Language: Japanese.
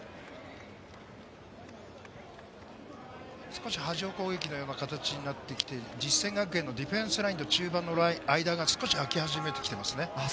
少し波状攻撃のような形になってきて、実践学園のディフェンスと中盤のラインが少し開き始めていますね。